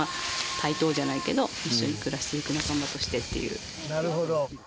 対等じゃないけど一緒に暮らしていく仲間としてっていう。